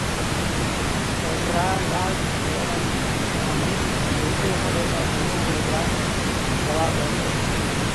وایسرا لارډ لیټن د امیر دې ټولو خبرو ته په یو ټلګراف ځواب ورکړ.